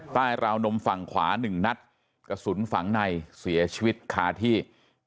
ราวนมฝั่งขวา๑นัดกระสุนฝังในเสียชีวิตคาที่